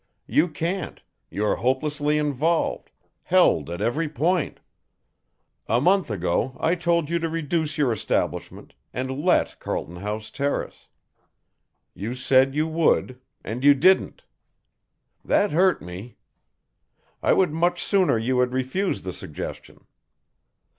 You can't, you are hopelessly involved, held at every point. A month ago I told you to reduce your establishment and let Carlton House Terrace; you said you would and you didn't. That hurt me. I would much sooner you had refused the suggestion.